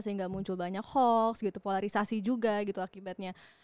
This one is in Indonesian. sehingga muncul banyak hoax gitu polarisasi juga gitu akibatnya